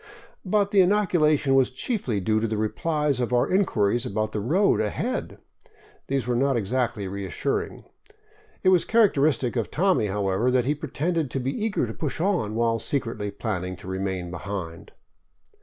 But the inoculation was chiefly due to the re plies to our inquiries about the road ahead. These were not exactly re assuring. It was characteristic of Tommy, however, that he pretended to be eager to push on, while secretly planning to remain behind.